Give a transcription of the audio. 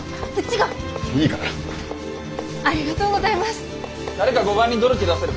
ありがとうございます。